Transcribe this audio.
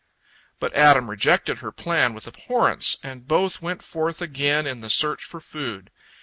But Adam rejected her plan with abhorrence, and both went forth again on the search for food.